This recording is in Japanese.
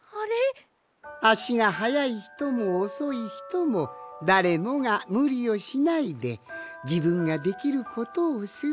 あしがはやいひともおそいひともだれもがむりをしないでじぶんができることをする。